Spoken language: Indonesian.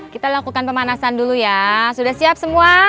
kita lakukan pemanasan dulu ya sudah siap semua